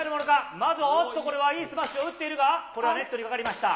まず、おっと、これはいいスマッシュを打っているが、これはネットにかかりました。